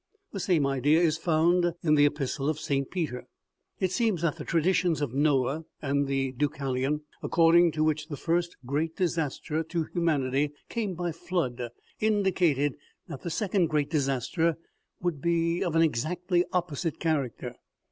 The same idea is found in the Epis tle of St. Peter. It seems that the traditions of Noah and of Deucalion, according to which the first great disaster to OMEGA. ijs humanity came by flood, indicated that the second great disaster would be of an exactly opposite character.